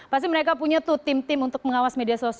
pasti mereka punya tuh tim tim untuk berbisnis